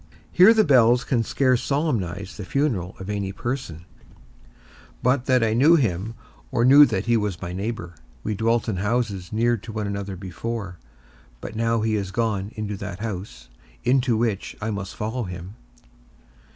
Here the bells can scarce solemnize the funeral of any person, but that I knew him, or knew that he was my neighbour: we dwelt in houses near to one another before, but now he is gone into that house into which I must follow him.